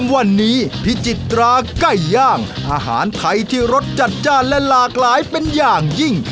วันนี้พิจิตราไก่ย่างอาหารไทยที่รสจัดจ้านและหลากหลายเป็นอย่างยิ่ง